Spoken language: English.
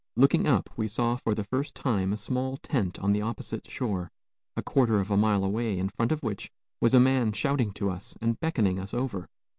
Looking up, we saw for the first time a small tent on the opposite shore, a quarter of a mile away, in front of which was a man shouting to us and beckoning us over.